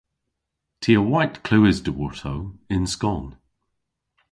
Ty a wayt klewes dhyworto yn skon.